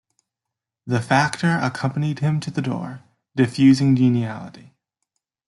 The factor accompanied him to the door, diffusing geniality.